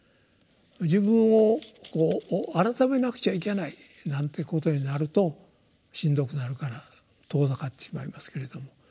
自分を改めなくちゃいけないなんていうことになるとしんどくなるから遠ざかってしまいますけれども。